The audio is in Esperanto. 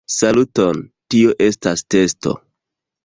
Saluton, tio estas testo.